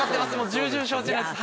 重々承知です。